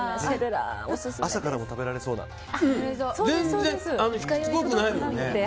朝からも食べられそうな。